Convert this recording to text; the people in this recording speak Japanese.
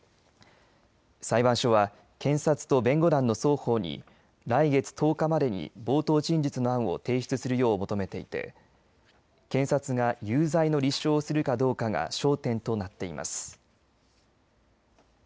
裁判所は検察と弁護団の双方に来月１０日までに冒頭陳述の案を提出するよう求めていて検察が有罪の立証をするかどうかが焦点となっています。